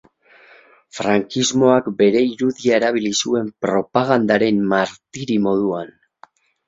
Frankismoak bere irudia erabili zuen propagandaren martiri moduan.